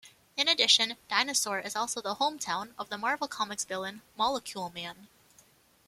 In addition, Dinosaur is also the hometown of the Marvel Comics villain, Molecule Man.